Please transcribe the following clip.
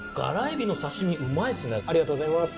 ありがとうございます。